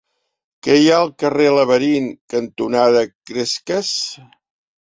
Què hi ha al carrer Laberint cantonada Cresques?